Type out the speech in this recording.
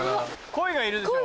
鯉がいるでしょ。